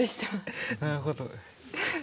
なるほど。